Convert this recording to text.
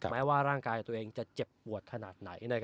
แม้ว่าร่างกายตัวเองจะเจ็บปวดขนาดไหน